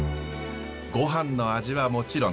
ごはんの味はもちろん。